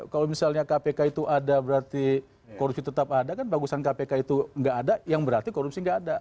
kalau misalnya kpk itu ada berarti korupsi tetap ada kan bagusan kpk itu nggak ada yang berarti korupsi nggak ada